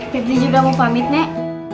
fitri juga mau pamit nek